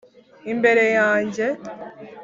imbere yanjye,